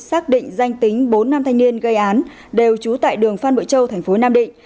xác định danh tính bốn nam thanh niên gây án đều trú tại đường phan bội châu thành phố nam định